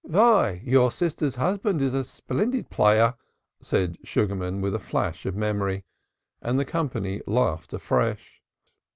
"Why, your sister's husband is a splendid player," said Sugarman with a flash of memory, and the company laughed afresh.